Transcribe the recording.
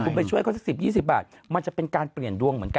คุณไปช่วยเขาสัก๑๐๒๐บาทมันจะเป็นการเปลี่ยนดวงเหมือนกัน